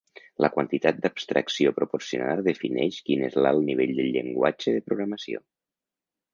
La quantitat d'abstracció proporcionada defineix quin és l'alt nivell del llenguatge de programació.